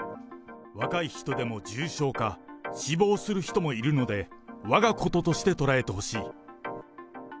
若い人でも重症化、死亡する人もいるので、わがこととして捉えてほしい。